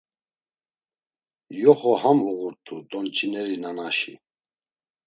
Yoxo ham uğurt̆u donç̌ineri nanaşi.